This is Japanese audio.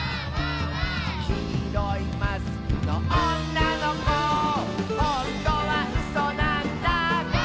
「きいろいマスクのおんなのこ」「ほんとはうそなんだ」